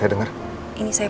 ini efek berkeliasannya